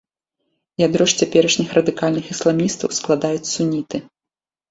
Ядро ж цяперашніх радыкальных ісламістаў складаюць суніты.